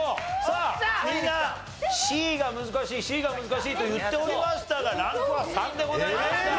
さあみんなＣが難しいＣが難しいと言っておりましたがランクは３でございました。